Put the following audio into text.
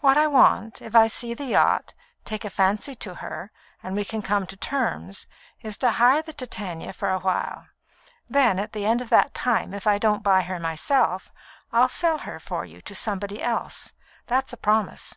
What I want, if I see the yacht, take fancy to her, and we can come to terms, is to hire the Titania for a while. Then, at the end of that time, if I don't buy her myself, I'll sell her for you to somebody else; that's a promise.